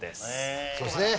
そうですね。